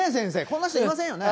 こんな人いませんよね。